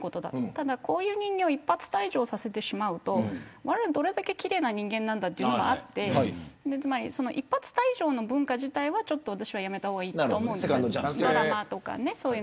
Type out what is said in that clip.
ただ、こういう人間を一発退場させてしまうとおまえは、どれだけ奇麗な人間なんだというのがあって一発退場の文化自体は、私はやめた方がいいと思うんです。